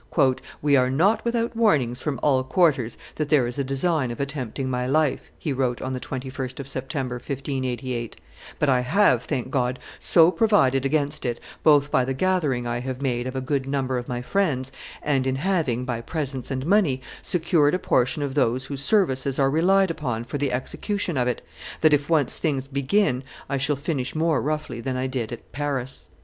"We are not without warnings from all quarters that there is a design of attempting my life," he wrote on the 21st of September, 1588: "but I have, thank God, so provided against it, both by the gathering I have made of a good number of my friends, and in having, by presents and money, secured a portion of those whose services are relied upon for the execution of it, that, if once things begin, I shall finish more roughly than I did at Paris."